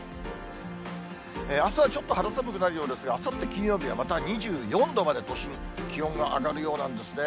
あすはちょっと肌寒くなるようですが、あさって金曜日は、また２４度まで、都心、気温が上がるようなんですね。